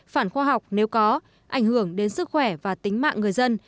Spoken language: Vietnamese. phản khoa học nếu có ảnh hưởng đến sức khỏe và tính mạng người dân